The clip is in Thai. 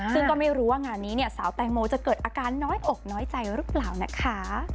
ซึ่งก็ไม่รู้ว่างานนี้เนี่ยสาวแตงโมจะเกิดอาการน้อยอกน้อยใจหรือเปล่านะคะ